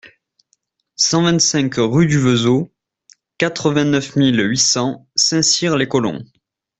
cent vingt-cinq rue du Vezeau, quatre-vingt-neuf mille huit cents Saint-Cyr-les-Colons